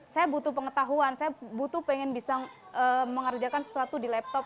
saya butuh pengetahuan saya butuh pengen bisa mengerjakan sesuatu di laptop